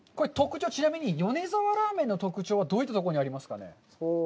米沢ラーメンの特徴はどういったところにありますかね。